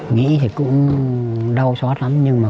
nghĩ thì cũng đau xót lắm nhưng mà